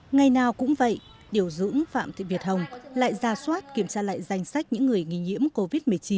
ngày nào cũng vậy điều dũng phạm thị việt hồng lại ra soát kiểm tra lại danh sách những người nghi nhiễm covid một mươi chín